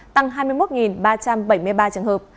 tăng hai mươi một ba trăm bảy mươi ba trường hợp